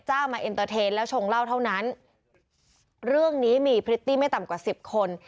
มาเอ็นเตอร์เทนแล้วชงเหล้าเท่านั้นเรื่องนี้มีพริตตี้ไม่ต่ำกว่าสิบคน